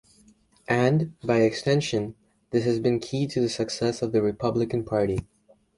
And, by extension, this has been key to the success of the Republican Party.